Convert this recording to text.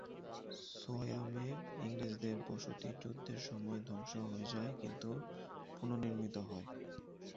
সোয়ামে ইংরেজদের বসতি যুদ্ধের সময় ধ্বংস হয়ে যায় কিন্তু পুনর্নির্মিত হয়।